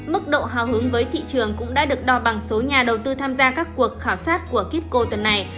mức độ hào hứng với thị trường cũng đã được đo bằng số nhà đầu tư tham gia các cuộc khảo sát của kitco tuần này